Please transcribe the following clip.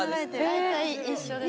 大体一緒ですね！